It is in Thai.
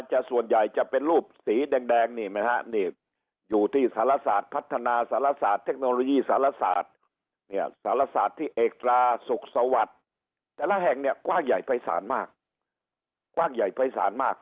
จะส่วนใหญ่จะเป็นรูปสีแดงนี่ไหมฮะนี่อยู่ที่สารศาสตร์พัฒนาสารศาสตร์เทคโนโลยีสารศาสตร์เนี่ยสารศาสตร์ที่เอกตราสุขสวรรคแต่ละแห่งเนี่ยกว้างใหญ่ไปสารมาก